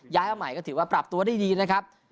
มาใหม่ก็ถือว่าปรับตัวได้ดีนะครับ